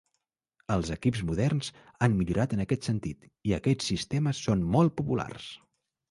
Els equips moderns han millorat en aquest sentit, i aquests sistemes són molt populars.